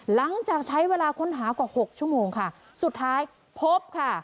หลังจากใช้เวลาค้นหากว่าหกชั่วโมงค่ะสุดท้ายพบค่ะ